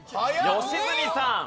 良純さん。